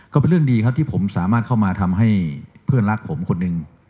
ก็เป็นเรื่องดีครับที่ผมสามารถเข้ามาทำให้เพื่อนรักผมคนหนึ่ง